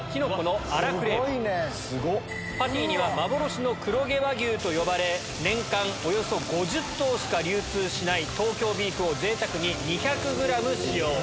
パテには幻の黒毛和牛と呼ばれ年間およそ５０頭しか流通しない東京ビーフを贅沢に２００ｇ使用。